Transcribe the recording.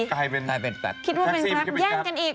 คิดว่าเป็นกัดแย่งกันอีก